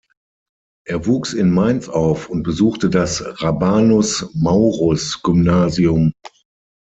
Er wuchs in Mainz auf und besuchte das Rabanus-Maurus-Gymnasium.